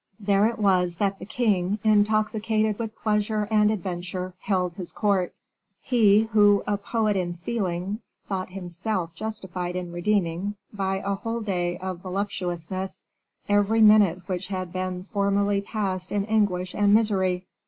There it was that the king, intoxicated with pleasure and adventure, held his court he, who, a poet in feeling, thought himself justified in redeeming, by a whole day of voluptuousness, every minute which had been formerly passed in anguish and misery.